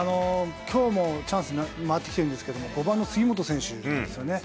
きょうもチャンス、回ってきてるんですけど、５番の杉本選手ですよね。